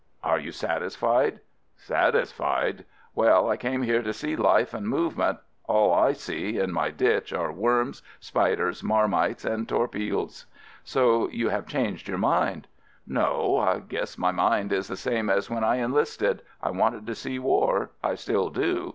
"Are you satisfied?" "Satisfied? Well, I came here to see life and movement — all I see in my ditch are worms, spiders, marmites, and torpilles!" "So you have changed your mind?" 108 AMERICAN AMBULANCE "No — guess my mind is the same as when I enlisted — I wanted to see war — I still do.